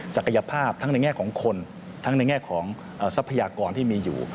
ศักยภาพทั้งในแง่ของคนทั้งในแง่ของทรัพยากรที่มีอยู่